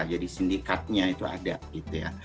jadi sindikatnya itu ada gitu ya